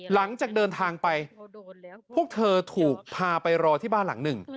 หลังจากเดินทางไปพวกเธอถูกพาไปรอที่บ้านหลังหนึ่ง